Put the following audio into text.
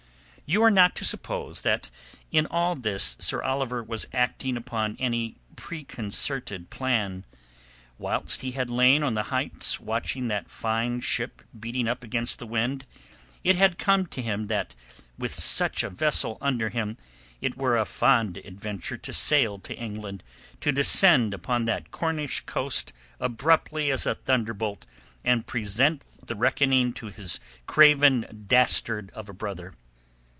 You are not to suppose that in all this Sir Oliver was acting upon any preconcerted plan. Whilst he had lain on the heights watching that fine ship beating up against the wind it had come to him that with such a vessel under him it were a fond adventure to sail to England, to descend upon that Cornish coast abruptly as a thunderbolt, and present the reckoning to his craven dastard of a brother.